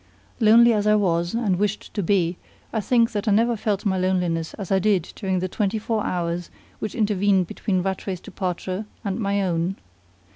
Lonely as I was, and wished to be, I think that I never felt my loneliness as I did during the twenty four hours which intervened between Rattray's departure and my own.